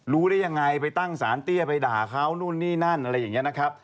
รู้ได้ยังไงไปตั้งสารเตี้ยไปด่าเขานู่นนี่นั่นอะไรอย่างนี้นะครับ